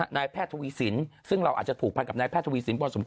นายแพทย์ทวีสินซึ่งเราอาจจะผูกพันกับนายแพทย์ทวีสินพอสมค